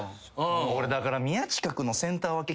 俺だから。